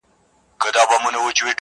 • تا منلی راته جام وي د سرو لبو..